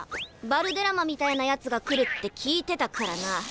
バルデラマみたいなやつが来るって聞いてたからな。